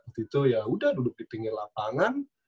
waktu itu yaudah duduk di pinggir lapangan